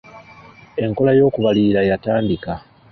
Enkola y'okubalirira yatandika.